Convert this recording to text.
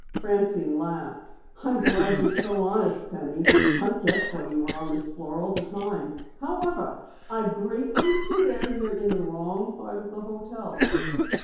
Francine laughed. "I'm glad you're so honest, Penny. I guessed why you were on this floor all the time. However, I greatly fear you're in the wrong part of the hotel."